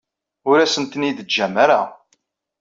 Ur asent-ten-id-teǧǧam ara.